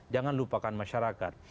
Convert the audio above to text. jangan lupakan masyarakat